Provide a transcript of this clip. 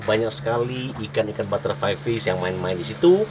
banyak sekali ikan ikan butter fish yang main main di situ